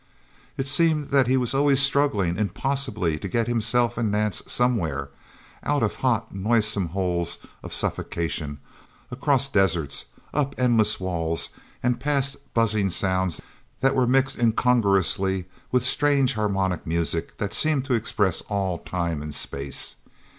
It seemed that he was always struggling impossibly to get himself and Nance somewhere out of hot, noisesome holes of suffocation, across deserts, up endless walls, and past buzzing sounds that were mixed incongruously with strange harmonica music that seemed to express all time and space...